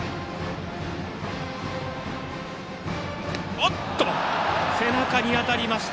おっと、背中に当たりました。